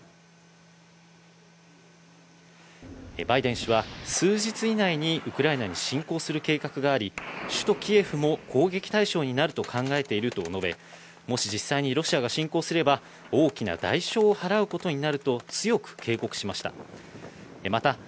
バイデン氏は数日以内にウクライナに侵攻する計画があり、首都キエフも攻撃対象になると考えていると述べ、もし実際にロシアが侵攻すれば大きな代償を払うことになると強く警告しました。